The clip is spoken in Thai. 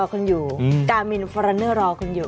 การ์หมิลฟานเรนเนอร์